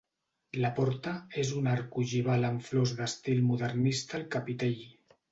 La porta és un arc ogival amb flors d'estil modernista al capitell.